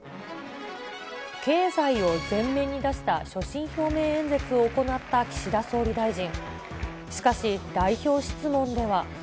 経済を前面に出した所信表明演説を行った岸田総理大臣。